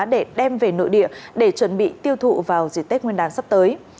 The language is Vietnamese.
để đem về nội địa để chuẩn bị tiêu thụ vào dịp tết nguyên đán sắp tới